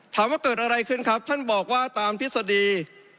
ถามว่าเกิดอะไรขึ้นครับท่านบอกว่าตามทฤษฎี